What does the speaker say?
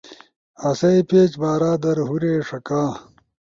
آسئی پیج بارا در ہورے ݜکا